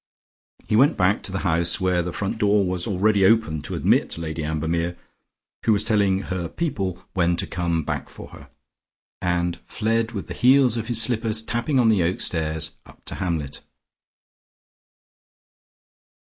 He went back to the house, where the front door was already open to admit Lady Ambermere, who was telling "her people" when to come back for her, and fled with the heels of his slippers tapping on the oak stairs up to Hamlet.